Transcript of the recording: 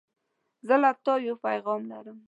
زه له تا یو پیغام لرم.